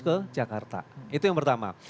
ke jakarta itu yang pertama